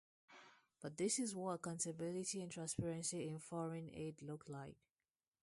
But this is what accountability and transparency in foreign aid look like.